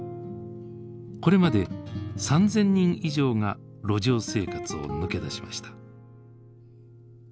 これまで３，０００人以上が路上生活を抜け出しました。